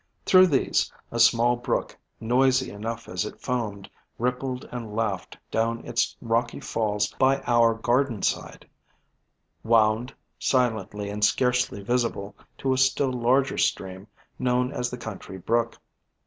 Through these, a small brook, noisy enough as it foamed, rippled and laughed down its rocky falls by our garden side, wound, silently and scarcely visible, to a still larger stream, known as the Country Brook.